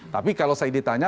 tapi kalau saya ditanya